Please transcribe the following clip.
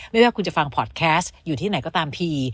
ไม่ว่าคุณจะฟังพอร์ตแคสต์อยู่ที่ไหนก็ตามที